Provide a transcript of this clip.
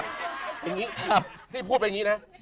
ที่พูดแบบนี้นะ